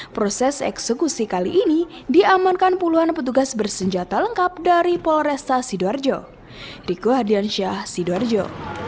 proses eksekusi kali ini diamankan puluhan petugas bersenjata lengkap dari polresta sidoarjo